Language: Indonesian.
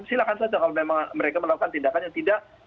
silahkan saja kalau memang mereka melakukan tindakan yang tidak